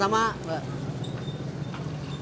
terima kasih ya bang